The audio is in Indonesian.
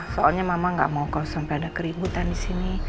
soalnya mama gak mau kau sampai ada keributan disini